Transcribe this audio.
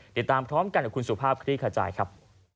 ติดตามพร้อมกันกับคุณสุภาพคลี่ขจายครับ